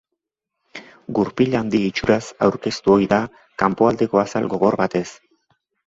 Gurpil handi itxuraz aurkeztu ohi da, kanpoaldeko azal gogor batez.